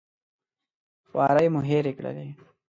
خوارۍ مو هېرې کړلې.